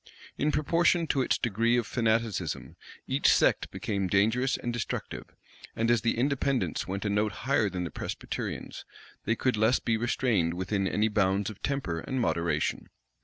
In proportion to its degree of fanaticism, each sect became dangerous and destructive; and as the Independents went a note higher than the Presbyterians, they could less be restrained within any bounds of temper and moderation.